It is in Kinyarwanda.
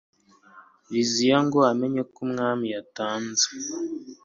liziya ngo amenye ko umwami yatanze